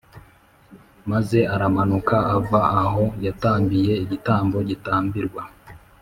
maze aramanuka ava aho yatambiye igitambo gitambirwa